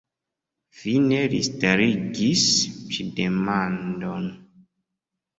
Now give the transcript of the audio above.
Fine li starigis ĉi demandon.